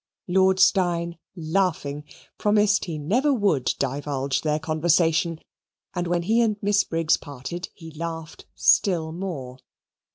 Lord Steyne, laughing, promised he never would divulge their conversation, and when he and Miss Briggs parted he laughed still more.